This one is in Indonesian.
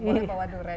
boleh bawa durian